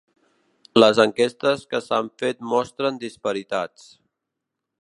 Les enquestes que s’han fet mostren disparitats.